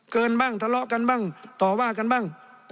เกินบ้างทะเลาะกันบ้างต่อว่ากันบ้าง